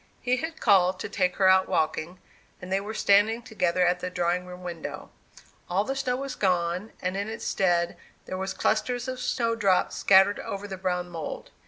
He had called to take her out walking, and they were standing together at the drawing room window. All the snow was gone, and in its stead there were clusters of snowdrops scattered over the brown mould.